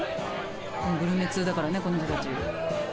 グルメ通だからねこの人たち。